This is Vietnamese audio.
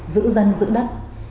giữ dân giữ đất